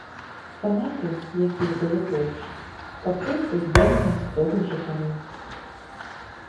Фанаты, якіх было больш, папросту збілі мясцовых жыхароў.